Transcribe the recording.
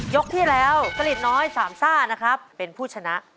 ยกที่แล้วสลิดน้อยสามซ่าเป็นผู้ชนะ